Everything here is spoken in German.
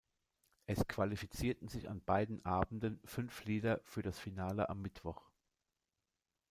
Es qualifizierten sich an beiden Abenden fünf Lieder für das Finale am Mittwoch.